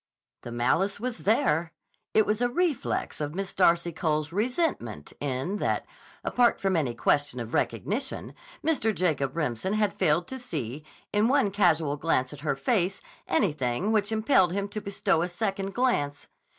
The malice was there. It was a reflex of Miss Darcy Cole's resentment in that, apart from any question of recognition, Mr. Jacob Remsen had failed to see, in one casual glance at her face, anything which impelled him to bestow a second glance.